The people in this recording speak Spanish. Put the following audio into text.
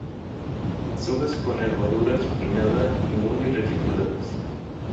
Las hojas con nervaduras pinnada; y muy reticuladas.